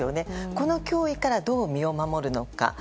この脅威からどう身を守るのか。